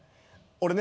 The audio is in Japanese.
俺ね